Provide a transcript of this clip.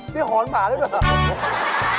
เป็นหอนหมาเรื่องนึกเหรอ